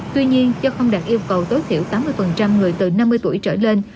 tuy nhiên do không đạt yêu cầu tối thiểu tám mươi người từ năm mươi tuổi trở lên